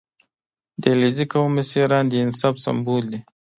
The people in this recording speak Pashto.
• د علیزي قوم مشران د انصاف سمبول دي.